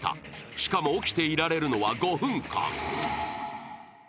しかも起きていられるのは５分間。